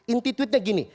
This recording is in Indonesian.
inti tweetnya gini